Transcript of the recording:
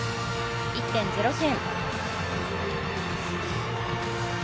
１．０点。